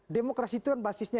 demokrasi itu kan basisnya